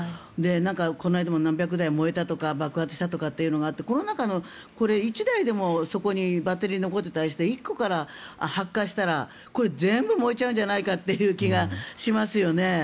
この間も何百台燃えたとか爆発したとかあってこの中の１台でも、そこにバッテリーが残ってたりして１個から発火したら全部燃えちゃうんじゃないかという気がしますよね。